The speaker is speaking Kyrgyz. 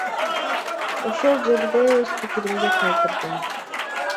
Ошол жерде өз пикиримди калтырдым.